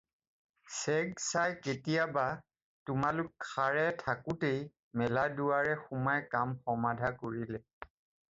ছেগ চাই কেতিয়াবা তোমালোক সাৰে থাকোঁতেই মেলা দুৱাৰে সোমাই কাম সমাধা কৰিলে।